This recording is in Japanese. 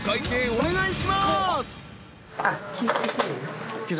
お願いします。